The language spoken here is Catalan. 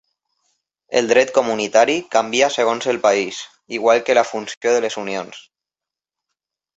El dret comunitari canvia segons el país, igual que la funció de les unions.